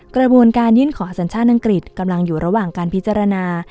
กระบวนการยื่นขอสัญชาติอังกฤษกำลังอยู่ระหว่างการพิจารณา